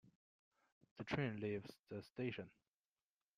The train leaves the station.